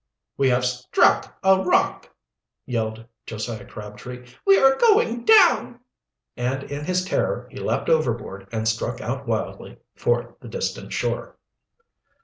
"We have struck a rock!" yelled Josiah Crabtree. "We are going down!" And in his terror he leaped overboard and struck out wildly for the distant shore.